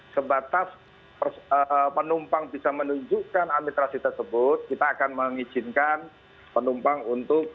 sebatas penumpang bisa menunjukkan administrasi tersebut kita akan mengizinkan penumpang untuk